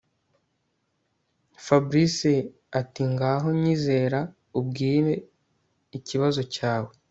Fabric atingaho nyizera ubwire ikibazo cyawe